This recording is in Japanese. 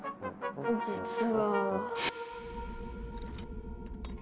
実は。